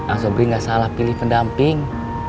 asobri gak salah pilih pendamping